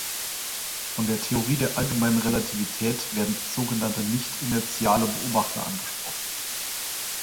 Von der Theorie der allgemeinen Relativität werden sogenannte nicht-inertiale Beobachter angesprochen.